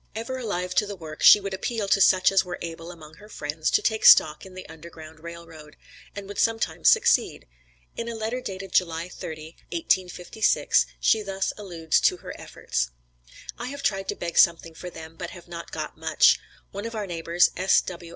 '" Ever alive to the work, she would appeal to such as were able among her friends, to take stock in the Underground Rail Road, and would sometimes succeed. In a letter dated July 30, 1856, she thus alludes to her efforts: "I have tried to beg something for them, but have not got much; one of our neighbors, S.W.